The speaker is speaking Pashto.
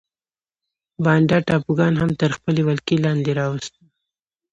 بانډا ټاپوګان هم تر خپلې ولکې لاندې راوسته.